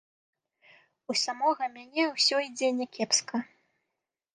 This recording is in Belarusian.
У самога мяне ўсё ідзе някепска.